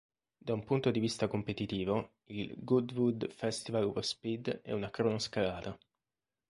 Da un punto di vista competitivo, il "Goodwood Festival of Speed" è una cronoscalata.